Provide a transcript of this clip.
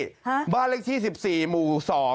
ฮะบ้านเลขที่๑๔หมู่๒